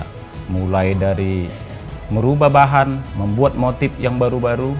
kita mulai dari merubah bahan membuat motif yang baru baru